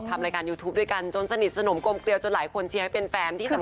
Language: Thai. ทำรายการยูทูปด้วยกันจนสนิทสนมกลมเกลียวจนหลายคนเชียร์ให้เป็นแฟนที่สำคัญ